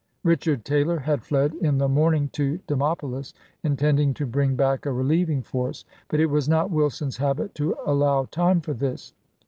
Richard Taylor had fled in the morning to Demopolis, intending to bring back a relieving force; but it was not Wilson's habit to allow time for this.